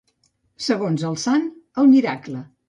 Segons el sant, el miracle.